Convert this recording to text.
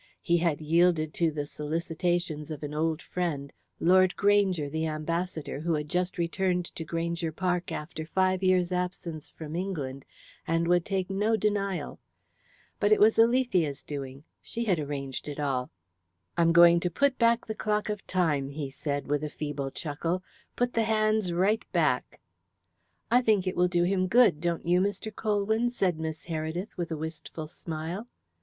He had yielded to the solicitations of an old friend Lord Granger, the ambassador, who had just returned to Granger Park after five years' absence from England, and would take no denial. But it was Alethea's doing she had arranged it all. "I'm going to put back the clock of Time," he said, with a feeble chuckle. "Put the hands right back." "I think it will do him good, don't you, Mr. Colwyn?" said Miss Heredith with a wistful smile.